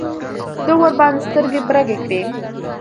ده ورباندې سترګې برګې کړې.